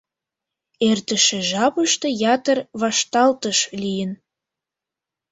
Эртыше жапыште ятыр вашталтыш лийын.